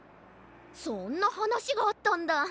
そんなはなしがあったんだ。